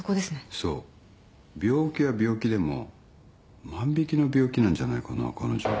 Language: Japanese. そう病気は病気でも万引の病気なんじゃないかな彼女は。